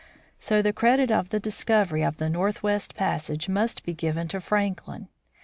So the credit of the discovery of the northwest passage must be given to Franklin.